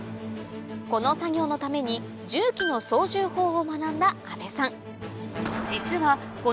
この作業のために重機の操縦法を学んだ阿部さん